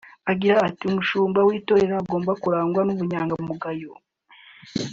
Agira ati “Umushumba w’itorero agomba kurangwa n’ubunyangamugayo